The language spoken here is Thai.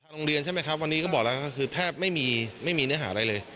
โรงเรียนใช่ไหมครับวันนี้ก็บอกแล้วก็คือแทบไม่มีไม่มีเนื้อหาอะไรเลย